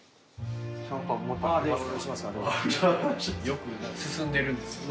よく進んでるんですよ。